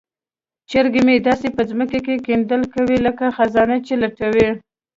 چرګې مې داسې په ځمکه کې کیندل کوي لکه خزانه چې لټوي.